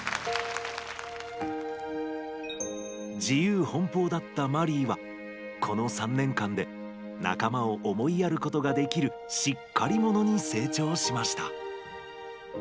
自由ほんぽうだったマリイはこの３年間で仲間を思いやることができるしっかりものに成長しました。